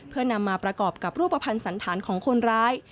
เพื่อนำมาประกอบกับรูปภัณฑ์สันธารของคนร้าย